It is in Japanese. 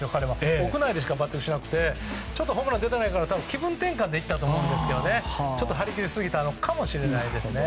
屋内でしかバッティングしなくてホームラン出てないから気分転換で行ったんだと思いますけどちょっと張り切りすぎたのかもしれないですね。